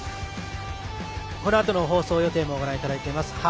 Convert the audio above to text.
このあとの放送予定をご覧いただいています。